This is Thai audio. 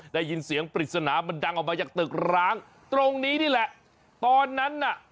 ได้ยินเสียงปริศนามันดังออกมาจากตึกร้างตรงนี้นี่แหละตอนนั้นน่ะ